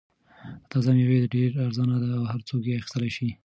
دا تازه مېوه ډېره ارزان ده او هر څوک یې اخیستلای شي.